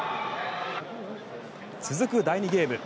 続く第２ゲーム。